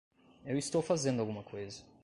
Eu estou fazendo alguma coisa.